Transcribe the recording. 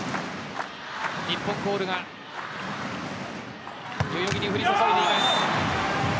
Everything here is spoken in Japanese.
日本コールが代々木に降り注いでいます。